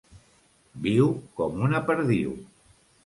Viu com una perdiu.